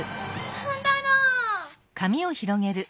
何だろう？